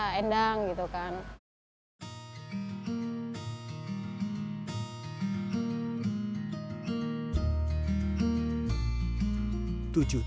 tidak ada pilihan itu adalah perubahan